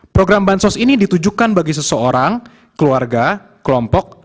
program bansos ini ditujukan bagi seseorang keluarga kelompok